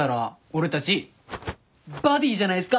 俺たちバディじゃないっすか。